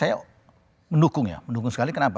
saya mendukung ya mendukung sekali kenapa